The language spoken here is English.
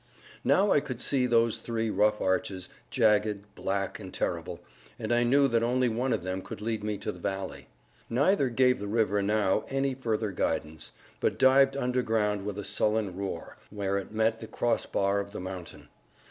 Now I could see those three rough arches, jagged, black, and terrible, and I knew that only one of them could lead me to the valley; neither gave the river now any further guidance, but dived underground with a sullen roar, where it met the cross bar of the mountain.